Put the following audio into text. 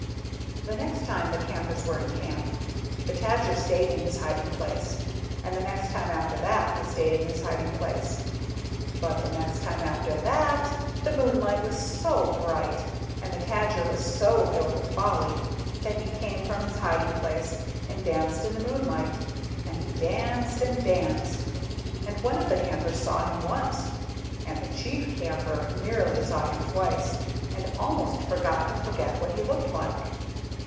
The next time the Campers were in Camp, the Tadger stayed in his hiding place. And the next time after that he stayed in his hiding place. But the next time after that the moonlight was so bright, and the Tajer was so filled with folly, that he came from his hiding place and danced in the moon light, and he danced and danced, and one of the Campers saw him once, and the Chief Camper nearly saw him twice, and almost forgot to forget what he looked like.